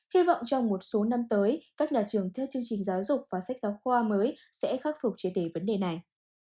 hy vọng trong một số năm tới các nhà trường theo chương trình giáo dục và sách giáo khoa mới sẽ khắc phục chế đề vấn đề này